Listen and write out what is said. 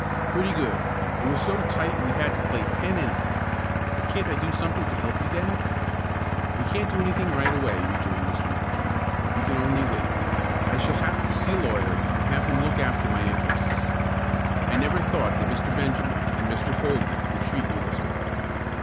"Pretty good. It was so tight we had to play ten innings. But can't I do something to help you, dad?" "We can't do anything right away," rejoined Mr. Matson. "We can only wait. I shall have to see a lawyer, and have him look after my interests. I never thought that Mr. Benjamin and Mr. Holdney would treat me this way.